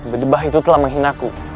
bedebah itu telah menghinaku